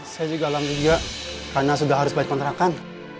saya juga alhamdulillah karena sudah harus balik penterakan